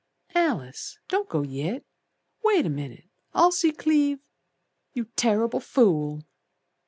"Alice, don't go yit, Wait a minit, I'll see Cleve " "You terrible fool!"